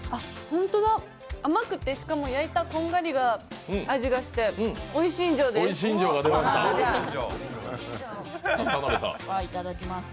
本当だ、甘くて、しかも焼いたこんがりした味がして、おい新庄です。